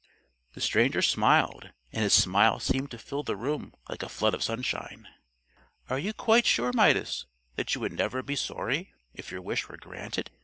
The stranger smiled, and his smile seemed to fill the room like a flood of sunshine. "Are you quite sure, Midas, that you would never be sorry if your wish were granted?"